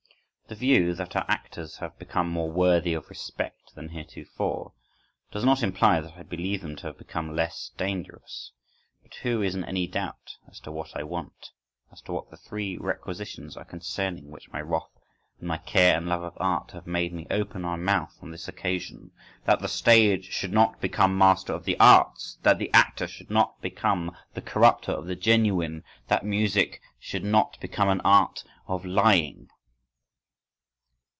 This view, that our actors have become more worthy of respect than heretofore, does not imply that I believe them to have become less dangerous.… But who is in any doubt as to what I want,—as to what the three requisitions are concerning which my wrath and my care and love of art, have made me open my mouth on this occasion? That the stage should not become master of the arts. That the actor should not become the corrupter of the genuine. _That music should not become an art of lying.